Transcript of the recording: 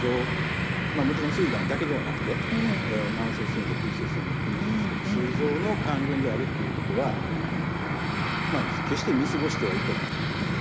もちろんすいがんだけではなくて慢性すい炎とか急性すい炎も含めてですけどすい臓の関連であるっていうことは決して見過ごしてはいけないですね。